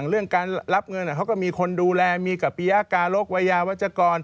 จริงมันก็ไม่มีข้อโต้แย้ง